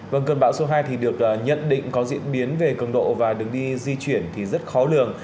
vâng cơn bão số hai thì được nhận định có diễn biến về cường độ và đường đi di chuyển thì rất khó lường